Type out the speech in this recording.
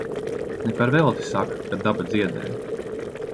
Ne par velti saka, ka daba dziedē.